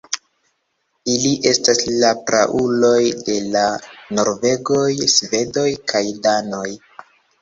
Ili estas la prauloj de la norvegoj, svedoj kaj danoj.